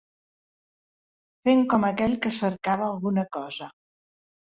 Fent com aquell que cercava alguna cosa.